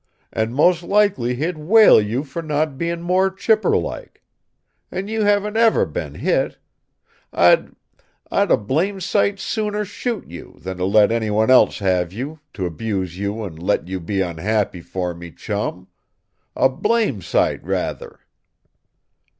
And most likely he'd whale you for not being more chipper like. And you haven't ever been hit. I'd I'd a blame' sight sooner shoot you, than to let anyone else have you, to abuse you and let you be unhappy for me, Chum. A blame' sight rather."